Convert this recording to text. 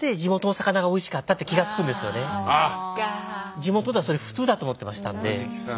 地元ではそれ普通だと思ってましたんで。